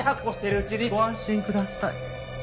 ご安心ください。